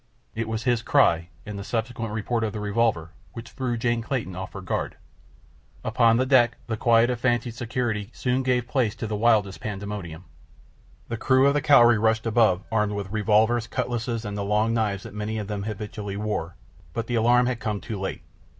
It was his cry and the subsequent report of the revolver which threw Jane Clayton off her guard. Upon deck the quiet of fancied security soon gave place to the wildest pandemonium. The crew of the Cowrie rushed above armed with revolvers, cutlasses, and the long knives that many of them habitually wore; but the alarm had come too late.